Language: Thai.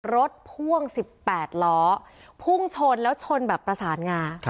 พ่วง๑๘ล้อพุ่งชนแล้วชนแบบประสานงา